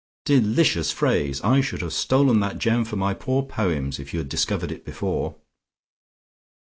"Delicious phrase! I should have stolen that gem for my poor poems, if you had discovered it before."